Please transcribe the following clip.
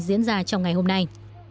diễn ra trong ngày hôm nay